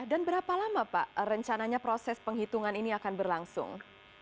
dan berapa lama pak rencananya proses penghitungan ini akan berlangsung